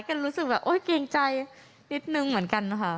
ก็รู้สึกแบบเกรงใจนิดหนึ่งเหมือนกันค่ะ